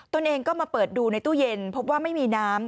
ตัวเองก็มาเปิดดูในตู้เย็นพบว่าไม่มีน้ำ